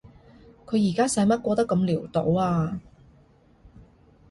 佢而家使乜過得咁潦倒啊？